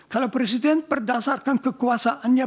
kalau presiden berdasarkan kekuasaannya